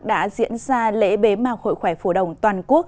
đã diễn ra lễ bế mạc hội khỏe phổ đồng toàn quốc